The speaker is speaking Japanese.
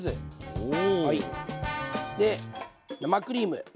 で生クリーム。